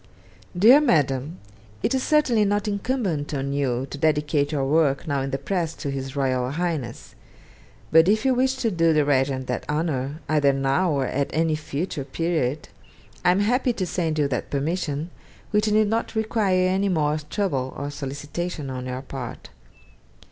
'DEAR MADAM, It is certainly not incumbent on you to dedicate your work now in the press to His Royal Highness; but if you wish to do the Regent that honour either now or at any future period I am happy to send you that permission, which need not require any more trouble or solicitation on your part.